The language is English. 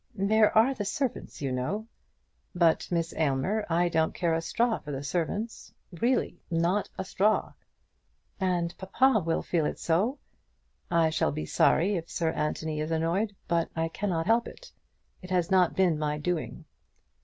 "There are the servants, you know." "But, Miss Aylmer, I don't care a straw for the servants; really not a straw." "And papa will feel it so." "I shall be sorry if Sir Anthony is annoyed; but I cannot help it. It has not been my doing."